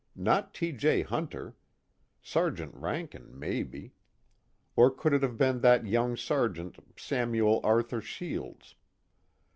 Not T. J. Hunter; Sergeant Rankin maybe; or could it have been that young Sergeant, Samuel Arthur Shields?